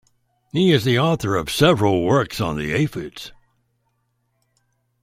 He is the author of several works on the aphids.